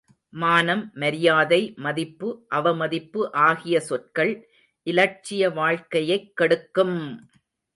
மானம், மரியாதை, மதிப்பு, அவமதிப்பு ஆகிய சொற்கள் இலட்சிய வாழ்க்கையைக் கெடுக்கும்!